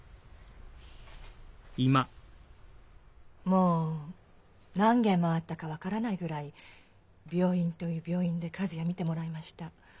もう何軒回ったか分からないぐらい病院という病院で和也診てもらいました。